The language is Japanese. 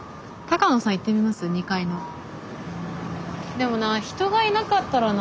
でもな人がいなかったらな。